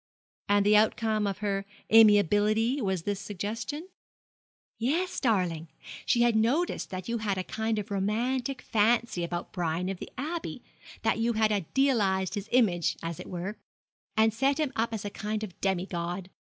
'And the outcome of her amiability was this suggestion?' 'Yes, darling. She had noticed that you had a kind of romantic fancy about Brian of the Abbey that you had idealised his image, as it were and set him up as a kind of demi god.